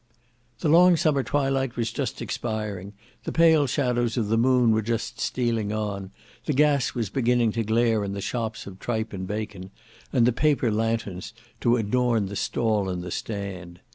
The long summer twilight was just expiring, the pale shadows of the moon were just stealing on; the gas was beginning to glare in the shops of tripe and bacon, and the paper lanthorns to adorn the stall and the stand.